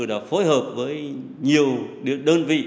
đã phối hợp với nhiều đơn vị